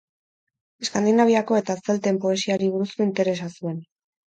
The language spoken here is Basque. Eskandinaviako eta zelten poesiari buruzko interesa zuen.